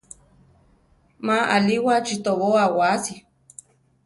Ma alíwachi tobóa waasi.